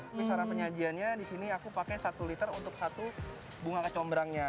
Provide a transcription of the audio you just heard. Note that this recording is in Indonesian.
tapi secara penyajiannya disini aku pake satu liter untuk satu bunga kecombrangnya